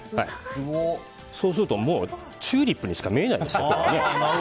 そうするとチューリップにしか見えないですからね。